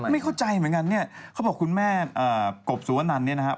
ไม่เข้าใจเหมือนกันเนี่ยเขาบอกคุณแม่กบสุวนันเนี่ยนะครับ